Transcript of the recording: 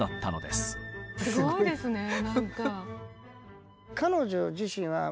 すごいですねなんか。